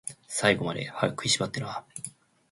最後まで、歯食いしばってなー